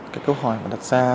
cái câu hỏi mà đặt ra